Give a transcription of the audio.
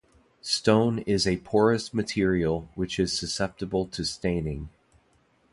Stone is a porous material which is susceptible to staining.